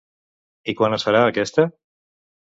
I quan es farà aquesta?